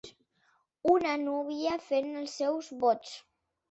Una núvia fent els seus vots.